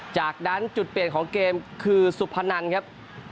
จากนั้นจุดเปลี่ยนของเกมคือสุพนันครับ